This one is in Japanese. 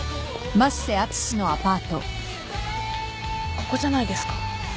ここじゃないですか？